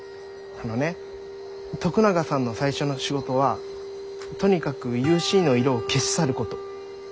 あのね徳永さんの最初の仕事はとにかくユーシーの色を消し去ること。